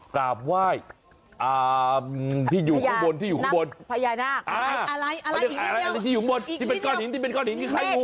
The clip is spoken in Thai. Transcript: กราบว่ายที่อยู่ข้างบนพญานาคอะไรที่อยู่บนที่เป็นก้อนหินที่เป็นก้อนหินที่ใครอยู่